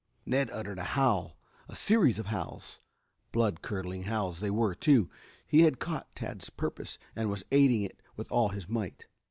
Ned uttered a howl, a series of howls. Blood curdling howls they were, too. He had caught Tad's purpose and was aiding it with all his might.